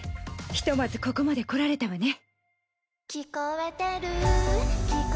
ひとまずここまで来られたわね。